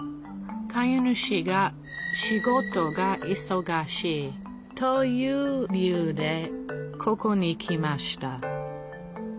飼い主が仕事がいそがしいという理由でここに来ました